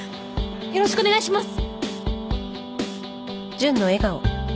よろしくお願いします。